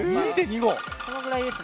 そのぐらいですね。